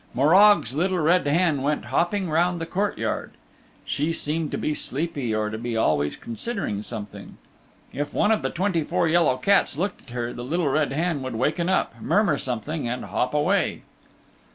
Morag's Little Red Hen went hopping round the courtyard. She seemed to be sleepy or to be always considering something. If one of the twenty four yellow cats looked at her the Little Red Hen would waken up, murmur something, and hop away.